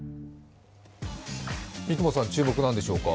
三雲さん、注目何でしょうか？